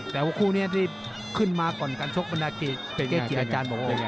แต่ว่าคู่นี้ที่ขึ้นมาก่อนการชกบรรดาเกจิอาจารย์บอกว่า